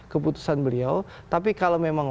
keputusan beliau tapi kalau memang